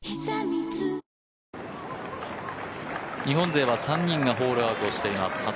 日本勢は３人がホールアウトしています。